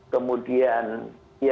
kemudian ya ternyata menerima